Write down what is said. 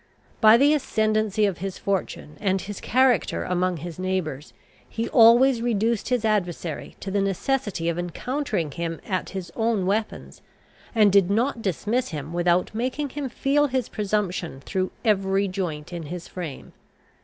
By the ascendancy of his fortune, and his character among his neighbours, he always reduced his adversary to the necessity of encountering him at his own weapons, and did not dismiss him without making him feel his presumption through every joint in his frame.